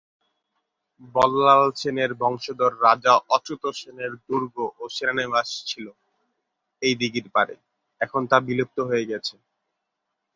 বল্লাল সেনের বংশধর রাজা অচ্যুত সেনের দুর্গ ও সেনানিবাস ছিল এই দীঘির পারে, এখন তা বিলুপ্ত হয়েছে গেছে।